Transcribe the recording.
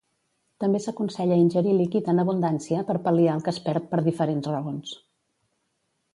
També s'aconsella ingerir líquid en abundància per pal·liar el que es perd per diferents raons.